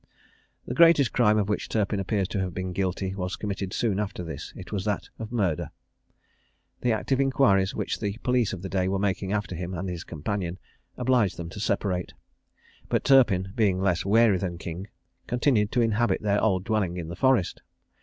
The greatest crime of which Turpin appears to have been guilty was committed soon after this it was that of murder. The active inquiries which the police of the day were making after him and his companion, obliged them to separate; but Turpin, being less wary than King, continued to inhabit their old dwelling in the forest.